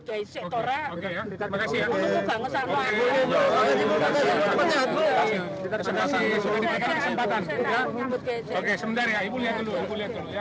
oke sebentar ya ibu lihat dulu ya